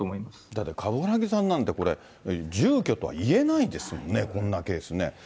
だから、冠木さんなんて、住居とは言えないですもんね、こんなケースね。